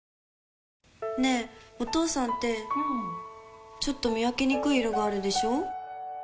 ねぇ、お父さんってうんちょっと見分けにくい色があるでしょ。